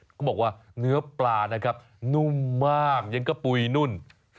เขาบอกว่าเนื้อปลานะครับนุ่มมากยังกระปุ๋ยนุ่น